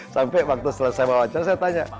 sampai waktu selesai wawancara saya tanya